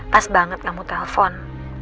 pas banget kamu telfon